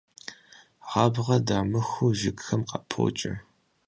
Гъабгъэ дамыхыу жыгхэм къапокӀэ.